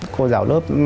cô giáo lớp